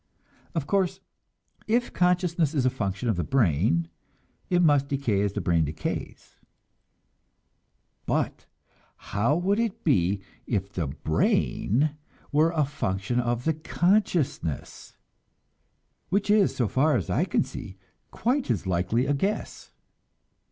Of course, if consciousness is a function of the brain, it must decay as the brain decays; but how would it be if the brain were a function of the consciousness which is, so far as I can see, quite as likely a guess.